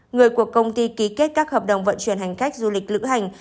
người của công ty ký kết các hợp đồng vận chuyển hành khách du lịch lữ hành